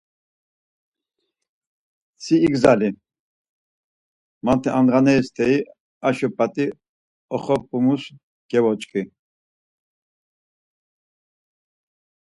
Si igzali, manti amdğaneri steri aşo p̆at̆i oqopumus gevoç̆k̆i.